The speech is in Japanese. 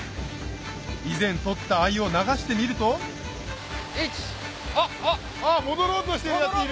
以前取った鮎を流してみると戻ろうとしてるヤツいる！